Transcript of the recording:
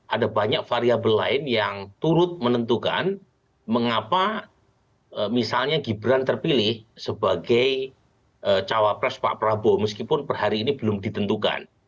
ada banyak variable lain yang turut menentukan mengapa misalnya gibran terpilih sebagai cawapres pak prabowo meskipun per hari ini belum ditentukan